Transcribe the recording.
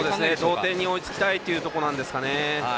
同点に追いつきたいという考えなんでしょうね。